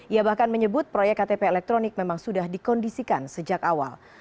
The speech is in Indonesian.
ia bahkan menyebut proyek ktp elektronik memang sudah dikondisikan sejak awal